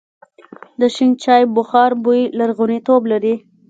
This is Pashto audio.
د شین چای بخار بوی لرغونتوب لري.